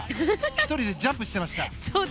１人でジャンプしてました。